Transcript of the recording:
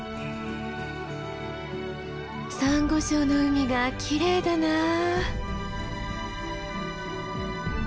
サンゴ礁の海がきれいだなぁ。